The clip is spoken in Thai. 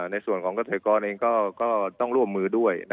ในส่วนของเกษตรกรเองก็ต้องร่วมมือด้วย